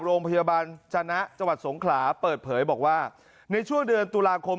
โรงพยาบาลจนะจังหวัดสงขลาเปิดเผยบอกว่าในช่วงเดือนตุลาคม